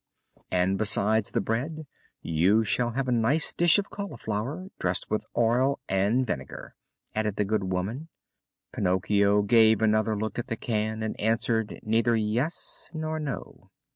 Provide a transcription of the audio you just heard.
"And besides the bread you shall have a nice dish of cauliflower dressed with oil and vinegar," added the good woman. Pinocchio gave another look at the can and answered neither yes nor no.